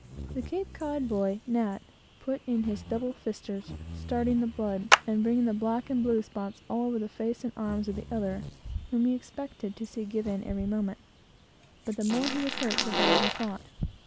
The Cape Cod boy, Nat, put in his double fisters, starting the blood, and bringing the black and blue spots all over the face and arms of the other, whom we expected to see give in every moment: but the more he was hurt, the better he fought.